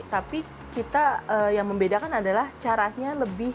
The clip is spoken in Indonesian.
tapi kita yang membedakan adalah caranya lebih